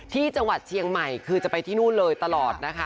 ที่จังหวัดเชียงใหม่คือจะไปที่นู่นเลยตลอดนะคะ